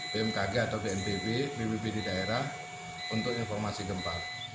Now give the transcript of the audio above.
bmkg atau bnpb bbb di daerah untuk informasi gempa